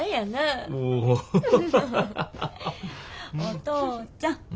お父ちゃん